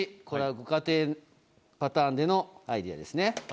これはご家庭パターンでのアイデアですね。